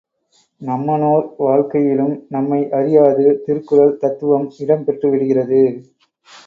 நம்மனோர் வாழ்க்கையிலும் நம்மை அறியாது திருக்குறள் தத்துவம் இடம் பெற்றுவிடுகிறது.